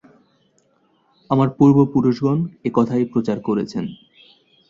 আমার পূর্ব- পুরুষগণ এ-কথাই প্রচার করেছেন।